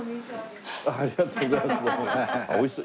ありがとうございます。